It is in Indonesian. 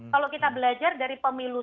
kalau kita belajar dari pemilu